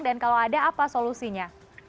dan kalau ada apa solusinya